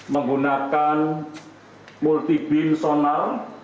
menggunakan multibim sonal